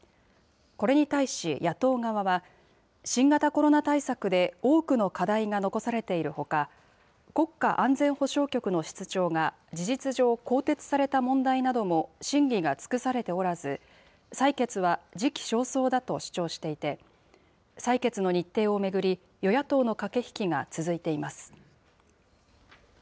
これに対し野党側は、新型コロナ対策で多くの課題が残されているほか、国家安全保障局の室長が事実上、更迭された問題なども審議が尽くされておらず、採決は時期尚早だと主張していて、採決の日程を巡り、与野党の駆け引きが続いています。